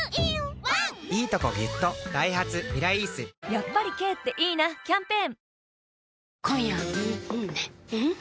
やっぱり軽っていいなキャンペーン